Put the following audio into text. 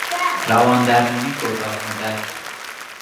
روان درمانی کوتاه مدت